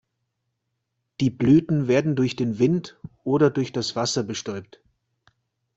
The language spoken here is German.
Die Blüten werden durch den Wind oder durch das Wasser bestäubt.